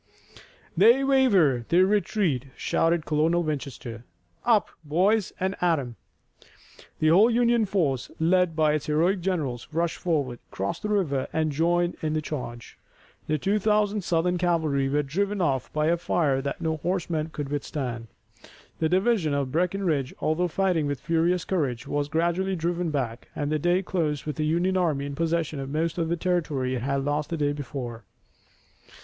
"They waver! They retreat!" shouted Colonel Winchester. "Up, boys, and at 'em!" The whole Union force, led by its heroic generals, rushed forward, crossed the river and joined in the charge. The two thousand Southern cavalry were driven off by a fire that no horsemen could withstand. The division of Breckinridge, although fighting with furious courage, was gradually driven back, and the day closed with the Union army in possession of most of the territory it had lost the day before.